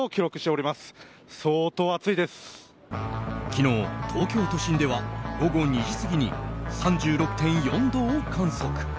昨日、東京都心では午後２時過ぎに３６．４度を観測。